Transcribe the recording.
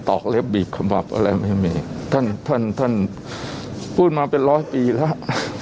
อกเล็บบีบขมับอะไรไม่มีท่านท่านท่านพูดมาเป็นร้อยปีแล้ว